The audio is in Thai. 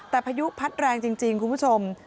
แต่พายุพัดแรงจริงคุณผู้ชม